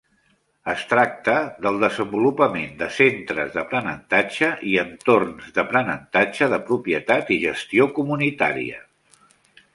Es tracta del desenvolupament de centres d'aprenentatge i entorns d'aprenentatge de propietat i gestió comunitària.